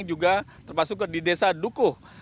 juga termasuk di desa dukuh